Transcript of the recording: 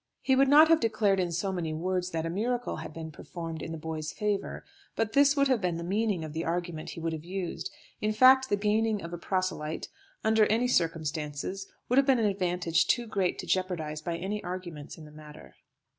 He would not have declared in so many words that a miracle had been performed in the boy's favour, but this would have been the meaning of the argument he would have used. In fact, the gaining of a proselyte under any circumstances would have been an advantage too great to jeopardise by any arguments in the matter.